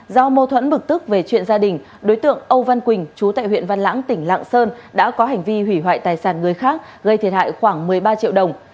do mâu thuẫn bực tức về chuyện gia đình đối tượng âu văn quỳnh chú tại huyện văn lãng tỉnh lạng sơn đã có hành vi hủy hoại tài sản người khác gây thiệt hại khoảng một mươi ba triệu đồng